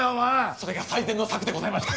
それが最善の策でございました